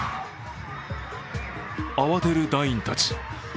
慌てる団員たち。